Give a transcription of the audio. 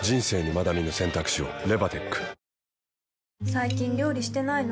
最近料理してないの？